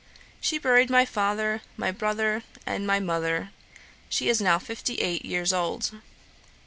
She buried my father, my brother, and my mother. She is now fifty eight years old.